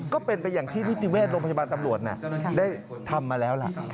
ก็เป็นไปอย่างที่นิติเวชโรงพยาบาลตำรวจได้ทำมาแล้วล่ะ